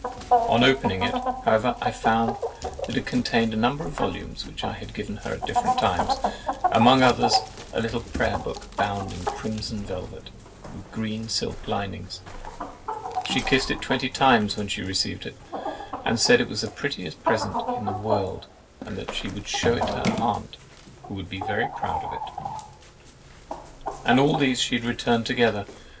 On opening it, however, I soon found what it was. It contained a number of volumes which I had given her at different times (among others, a little Prayer Book, bound in crimson velvet, with green silk linings; she kissed it twenty times when she received it, and said it was the prettiest present in the world, and that she would shew it to her aunt, who would be proud of it)—and all these she had returned together.